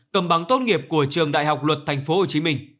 cầm bằng tốt nghiệp của trường đại học luật tp hcm